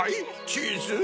チーズ。